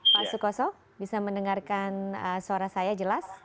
pak sukoso bisa mendengarkan suara saya jelas